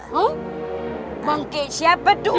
bungkit siapa tuh